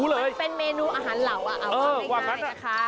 มันเป็นเมนูอาหารเหล่าเอาง่ายนะคะ